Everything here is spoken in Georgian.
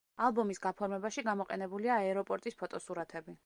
ალბომის გაფორმებაში გამოყენებულია აეროპორტის ფოტოსურათები.